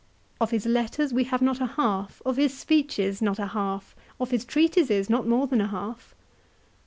Of his letters we have not a half, of his speeches not a half; of his treatises not more than a half.